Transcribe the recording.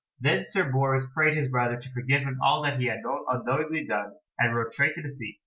Then Sir Bors prayed his brother to forgive him all he had unknowingly done, and rode straight to the sea.